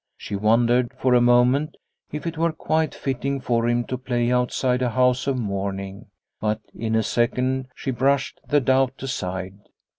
She wondered for a moment if it were quite fitting for him to play outside a house of mourning, but in a second she brushed the doubt aside.